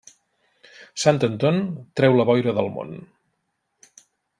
Sant Anton treu la boira del món.